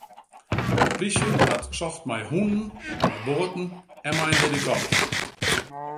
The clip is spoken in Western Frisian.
De plysje hat socht mei hûnen, mei boaten en mei in helikopter.